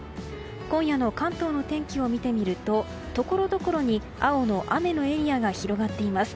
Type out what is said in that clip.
今夜の関東の天気を見てみるとところどころに青の雨のエリアが広がっています。